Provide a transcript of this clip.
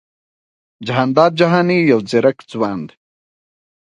ای مېرمنې زموږ خو پروفيسر په کار و نه دا افغان کثافت.